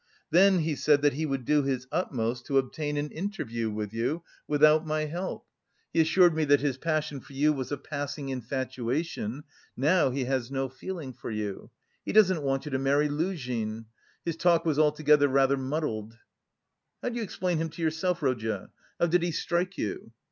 Then he said that he would do his utmost to obtain an interview with you without my help. He assured me that his passion for you was a passing infatuation, now he has no feeling for you. He doesn't want you to marry Luzhin.... His talk was altogether rather muddled." "How do you explain him to yourself, Rodya? How did he strike you?"